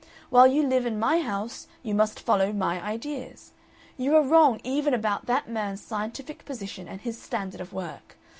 While you live in my house you must follow my ideas. You are wrong even about that man's scientific position and his standard of work.